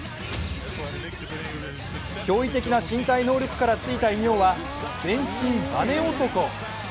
驚異的な身体能力からついた異名は、全身バネ男。